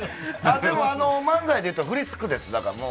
でも漫才で言うとフリスクです。